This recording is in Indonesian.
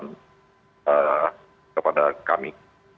ini juga menjadi tanggung jawab kepada kami